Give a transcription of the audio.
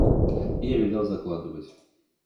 Я велел закладывать.